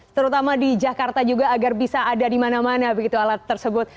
terutama di jakarta juga agar bisa ada di mana mana begitu alat tersebut